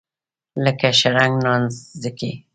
لکه شرنګ نانځکې.